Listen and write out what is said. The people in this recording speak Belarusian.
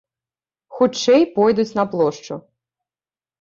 Хутчэй пойдуць на плошчу.